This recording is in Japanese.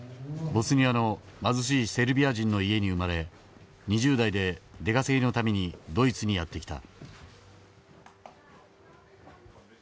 ボスニアの貧しいセルビア人の家に生まれ２０代で出稼ぎのためにドイツにやって来た。